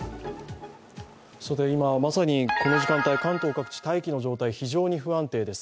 今、まさにこの時間帯関東各地大気の状態が非常に不安定です。